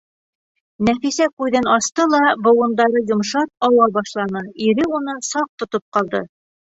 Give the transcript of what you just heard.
Нәфисә күҙен асты ла, быуындары йомшап, ауа башланы, ире уны саҡ тотоп ҡалды.